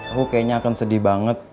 aku kayaknya akan sedih banget